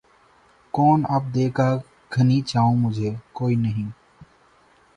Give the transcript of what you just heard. کون اب دے گا گھنی چھاؤں مُجھے، کوئی نہیں